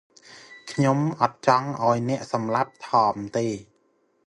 ខ្ញុំអត់ចង់ឱ្យអ្នកសម្លាប់ ថម ទេ ។